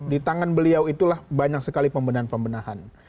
di tangan beliau itulah banyak sekali pembenahan pembenahan